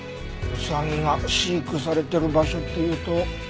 ウサギが飼育されてる場所っていうと。